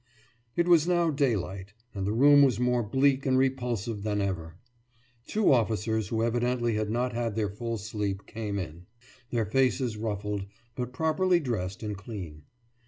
It was now daylight, and the room was more bleak and repulsive than ever. Two officers who evidently had not had their full sleep came in, their faces ruffled, but properly dressed and clean.